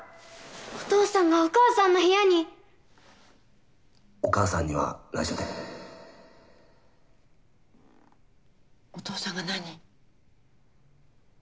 お父さんがお母さんの部屋お母さんにはないしょお父さんが何？